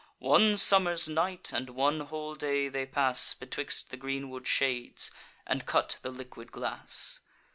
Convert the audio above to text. One summer's night and one whole day they pass Betwixt the greenwood shades, and cut the liquid glass.